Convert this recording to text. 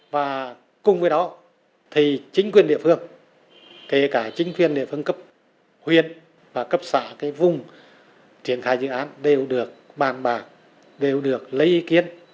và cùng với đó thì chính quyền địa phương kể cả chính quyền địa phương cấp huyện và cấp xã cái vùng triển khai dự án đều được bàn bạc đều được lấy ý kiến